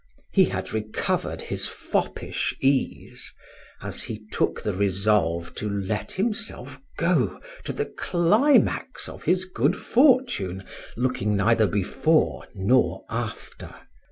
He had recovered his foppish ease, as he took the resolve to let himself go to the climax of his good fortune, looking neither before nor after.